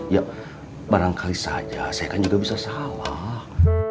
ya barangkali saja saya kan juga bisa salah